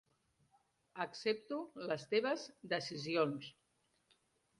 Accepto les teves decisions.